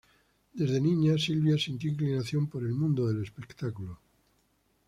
Desde niña Silvia sintió inclinación por el mundo del espectáculo.